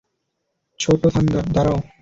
ছোট্ট থান্ডার, দাঁড়াও!